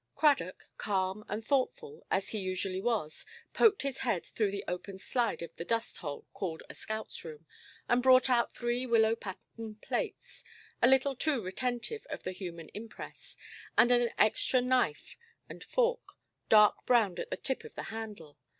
Cradock, calm and thoughtful, as he usually was, poked his head through the open slide of the dusthole called a scoutʼs room, and brought out three willow–pattern plates, a little too retentive of the human impress, and an extra knife and fork, dark–browed at the tip of the handle.